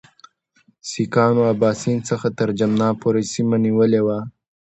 سیکهانو اباسین څخه تر جمنا پورې سیمه نیولې وه.